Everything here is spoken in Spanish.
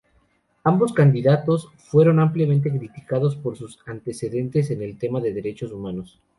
Ambos candidatos fueron ampliamente criticados por sus antecedentes en el tema de derechos humanos.